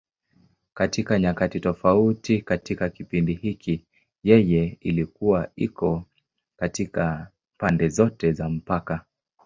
Katika nyakati tofauti katika kipindi hiki, yeye ilikuwa iko katika pande zote za mpaka.